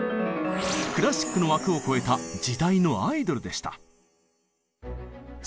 クラシックの枠を超えた時代のアイドルでした。